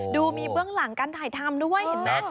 ดูมีเบื้องหลังการถ่ายทำด้วยเห็นไหม